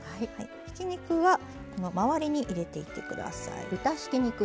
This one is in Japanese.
ひき肉はこの周りに入れていって下さい。